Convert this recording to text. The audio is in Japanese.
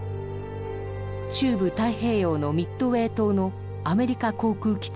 中部太平洋のミッドウェー島のアメリカ航空基地を攻撃。